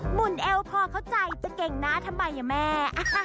หมุนแอวพอเข้าใจจะเก่งนะที่บังไงแม่